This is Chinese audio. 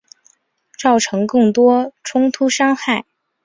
造成更多冲突伤害